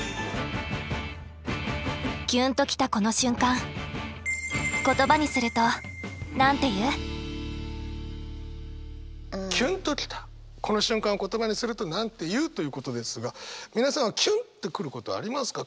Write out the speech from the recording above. キュンときたこの瞬間キュンときたこの瞬間言葉にするとなんて言う？ということですが皆さんキュンとくることありますか？